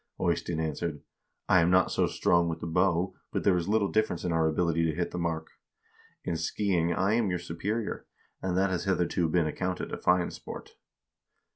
Eystein answered : 'I am not so strong with the bow, but there is little difference in our ability to hit the mark. In skiing I am your superior, and that has hitherto been accounted a fine sport.'